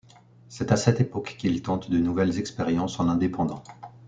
C'est à cette époque qu'il tente de nouvelles expériences en indépendant.